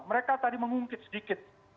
mereka tadi mengungkit sedikit